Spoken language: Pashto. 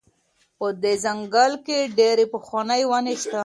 په دې ځنګل کې ډېرې پخوانۍ ونې شته.